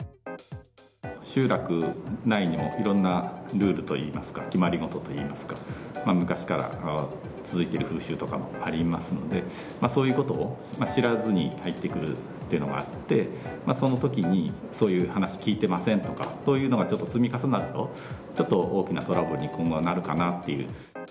集落内にもいろんなルールといいますか、決まりごとといいますか、昔から続いてる風習とかもありますので、そういうことを知らずに入ってくるというのがあって、そのときにそういう話聞いてませんとか、そういうのがちょっと積み重なると、ちょっと大きなトラブルに今後なるかなと。